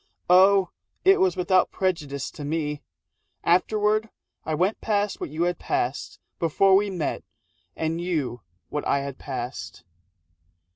(Oh, it was without prejudice to me!) Afterward I went past what you had passed Before we met and you what I had passed.